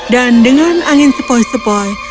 dan dengan angin sepoi sepoi